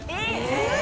えっ！？